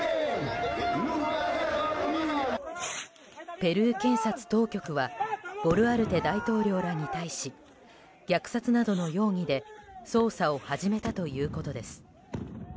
ペルー検察当局はボルアルテ大統領らに対し虐殺などの容疑で捜査を始めたということです。